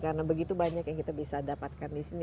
karena begitu banyak yang kita bisa dapatkan disini